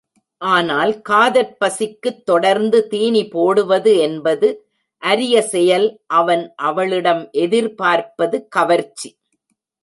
ஆனால் காதற் பசிக்குத் தொடர்ந்து தீனி போடுவது என்பது அரிய செயல் அவன் அவளிடம் எதிர் பார்ப்பது கவர்ச்சி.